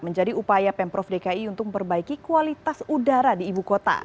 menjadi upaya pemprov dki untuk memperbaiki kualitas udara di ibu kota